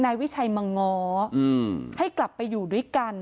นายวิชัยมาง้อให้กลับไปอยู่ด้วยกัน